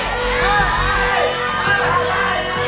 ไง